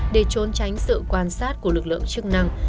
để trốn tránh sự quan sát của lực lượng chức năng